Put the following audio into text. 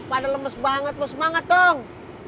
pada lemes banget lo semangat dong